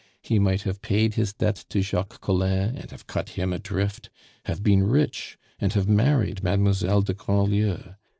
He might have paid his debt to Jacques Collin and have cut him adrift, have been rich, and have married Mademoiselle de Grandlieu.